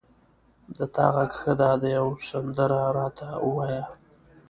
د تا غږ ښه ده یوه سندره را ته ووایه